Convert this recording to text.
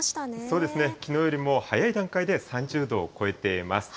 そうですね、きのうよりも早い段階で３０度を超えています。